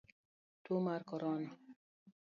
Tuo mar korona.